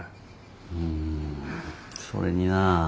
うんそれにな